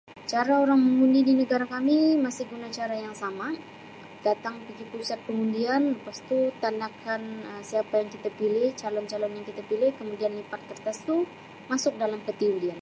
Cara orang mengundi di negara kami masih guna cara yang sama datang pigi pusat pengundian tandakan Um siapa yang kita pilih calon-calon yang kita pilih kemudian lipat kertas tu masuk dalam peti undian.